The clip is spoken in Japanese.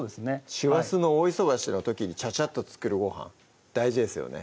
師走の大忙しな時にちゃちゃっと作るごはん大事ですよね